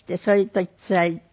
そういう時つらい。